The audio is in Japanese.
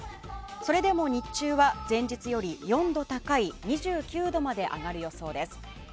それでも日中は前日より４度高い２９度まで上がる予想です。